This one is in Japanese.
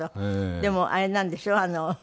でもあれなんでしょ？